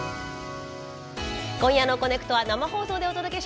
今夜の「コネクト」は生放送でお届けします。